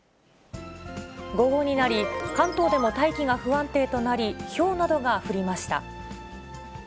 午後になり、関東でも大気が不安定となり、ひょうなどが降りました。